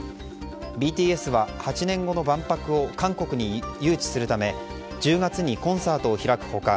ＢＴＳは８年後の万博を韓国に誘致するため１０月にコンサートを開く他